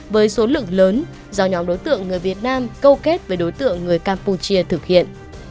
với số lượng lớn do nhóm đối tượng người việt nam câu kết với đối tượng người campuchia thực hiện